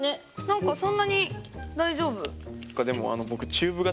何かそんなに大丈夫。